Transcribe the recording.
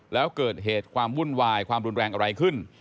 แล้วเกิดเหตุความวุ่นวายความรุนแรงอะไรขึ้น